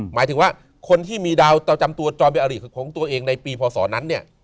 หมายถึงว่าคนที่มีดาวประจำตัวจอมเป็นอริของตัวเองในปีพศนั้นเนี่ย